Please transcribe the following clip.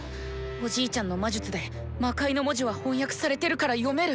おじいちゃんの魔術で魔界の文字は翻訳されてるから読める。